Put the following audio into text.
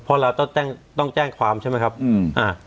เพราะเราต้องแจ้งต้องแจ้งความใช่ไหมครับอืมอ่า